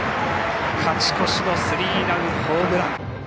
勝ち越しのスリーランホームラン。